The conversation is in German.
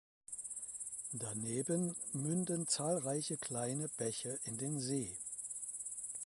Daneben münden zahlreiche kleine Bäche in den See.